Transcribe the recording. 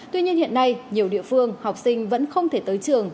tuy nhiên hiện nay nhiều địa phương học sinh vẫn không thể tới trường